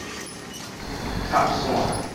磕線